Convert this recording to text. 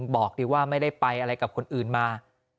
บอกดีว่าไม่ได้ไปอะไรกับคนอื่นมา